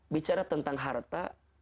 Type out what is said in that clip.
bicara tentang harta